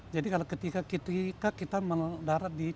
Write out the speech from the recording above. jadi kalau ketika kita melarut di